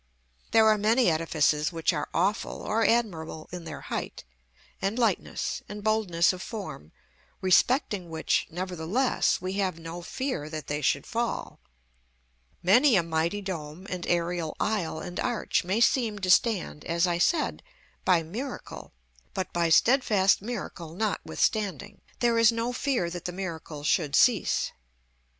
There are many edifices which are awful or admirable in their height, and lightness, and boldness of form, respecting which, nevertheless, we have no fear that they should fall. Many a mighty dome and aërial aisle and arch may seem to stand, as I said, by miracle, but by steadfast miracle notwithstanding; there is no fear that the miracle should cease.